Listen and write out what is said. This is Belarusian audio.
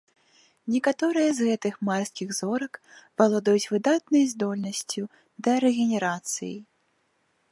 Некаторыя з гэтых марскіх зорак валодаюць выдатнай здольнасцю да рэгенерацыі.